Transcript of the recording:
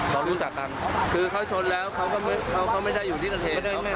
เรารู้จักกันคือเขาชนแล้วเขาก็ไม่ได้อยู่ที่ประเทศ